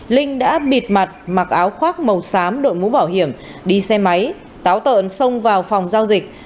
linh đã bịt mặt mặc áo khoác màu xám đội mũ bảo hiểm đi xe máy táo tợn xông vào phòng giao dịch